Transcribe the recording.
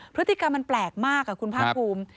พฤติกรรมมันแปลกมากคุณภาคภูมิ